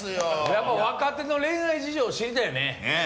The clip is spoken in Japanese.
やっぱ若手の恋愛事情知りたいよね。